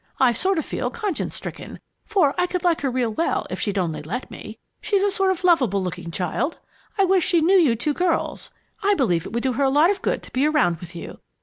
I sort of feel conscience stricken, for I could like her real well if she'd only let me. She's a sort of lovable looking child! I wish she knew you two girls. I believe it would do her a lot of good to be around with you.